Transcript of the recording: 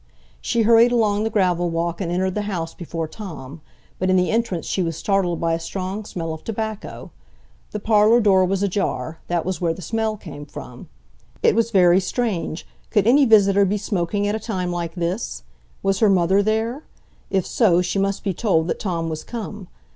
She hurried along the gravel walk and entered the house before Tom; but in the entrance she was startled by a strong smell of tobacco. The parlour door was ajar; that was where the smell came from. It was very strange; could any visitor be smoking at a time like this? Was her mother there? If so, she must be told that Tom was come.